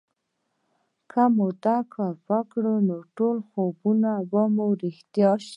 که مو دا کار وکړ نو ټول خوبونه به مو رښتيا شي